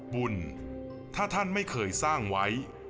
บุญถ้าท่านไม่เคยสร้างไว้